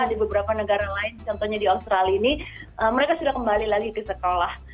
di beberapa negara lain contohnya di australia ini mereka sudah kembali lagi ke sekolah